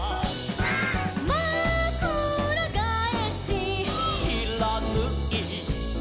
「まくらがえし」「」「しらぬい」「」